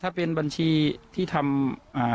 ถ้าเป็นบัญชีที่ทำอ่า